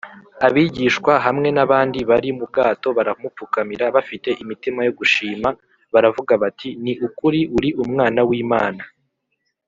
abigishwa, hamwe n’abandi bari mu bwato, baramupfukamira bafite imitima yo gushima, baravuga bati, “ni ukuri uri umwana w’imana!